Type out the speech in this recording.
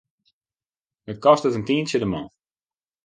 It kostet in tientsje de man.